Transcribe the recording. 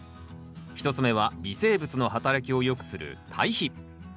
１つ目は微生物の働きをよくする堆肥。